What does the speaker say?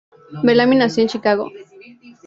Bellamy nació en Chicago, Illinois.